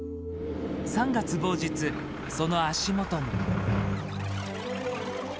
３月某日、その足元に。